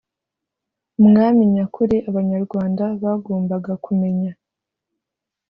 umwami nyakuri, abanyarwanda bagombaga kumenya